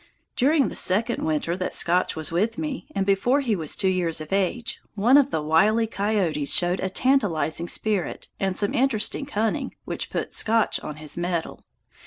During the second winter that Scotch was with me and before he was two years of age, one of the wily coyotes showed a tantalizing spirit and some interesting cunning which put Scotch on his mettle.